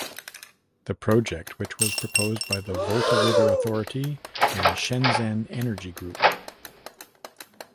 The project which was proposed by the Volta River Authority and Shenzen Energy Group.